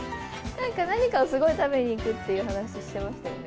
なんか、何かをすごく食べに行くっていう話をしてましたよね。